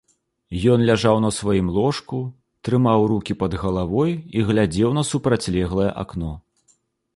Ён ляжаў на сваім ложку, трымаў рукі пад галавой і глядзеў на супрацьлеглае акно.